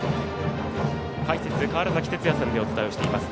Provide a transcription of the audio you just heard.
解説、川原崎哲也さんでお伝えしています。